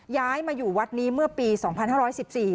ย้ายมาอยู่วัดนี้เมื่อปีสองพันห้าร้อยสิบสี่